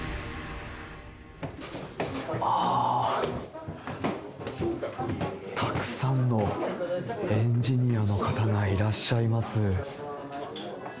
ああー、たくさんのエンジニアの方がいらっしゃいます。